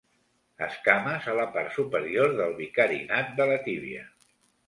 Escames a la part superior del bicarinat de la tíbia.